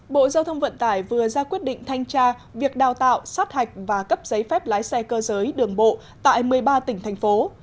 bộ giao thông vận tải vừa ra quyết định thanh tra việc đào tạo sát hạch và cấp giấy phép lái xe cơ giới đường bộ tại một mươi ba tỉnh thành phố